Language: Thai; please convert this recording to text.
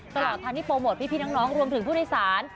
ตลอดทางที่โปรโมทพี่น้องรวมถึงผู้โดยสาร